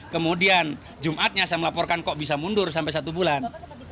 kemudian jumatnya saya melaporkan kok bisa mundur sampai satu bulan